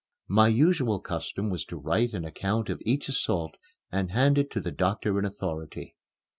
My usual custom was to write an account of each assault and hand it to the doctor in authority.